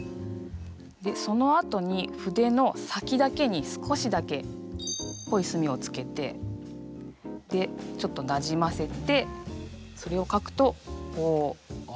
でそのあとに筆の先だけに少しだけ濃い墨をつけてでちょっとなじませてそれを書くとこう。